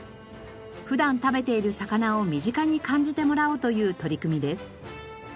普段食べている魚を身近に感じてもらおうという取り組みです。